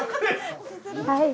はい。